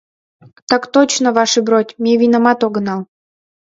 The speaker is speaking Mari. Так точно, ваше бродь, ме винамат огынал.